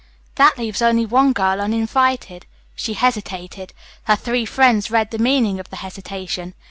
"That leaves only one girl uninvited." She hesitated. Her three friends read the meaning of the hesitation.